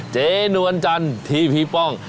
อ๋อเจ๊นวรจันที่พี่ป้อง